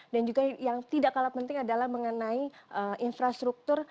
dan juga yang tidak kalah penting adalah mengenai infrastruktur